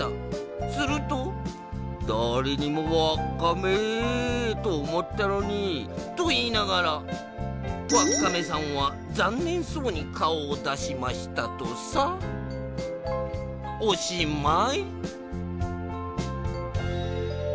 すると「だれでもわっカンメーとおもったのに」といいながらわっカメさんはざんねんそうにかおをだしましたとさ。おしまい。